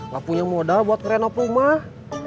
gak punya modal buat renop rumah